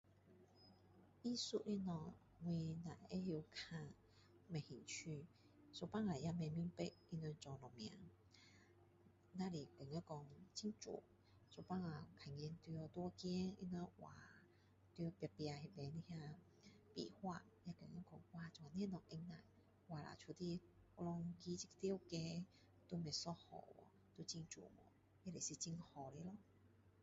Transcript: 艺术的东西我只会看没兴趣有时候不明白他们在做什么只是觉得说很美有时候看到路边他们画挂在墙上的那壁画也觉得说哇这样放下挂了出来整条街都不一样也是很美真的也是一个很好的咯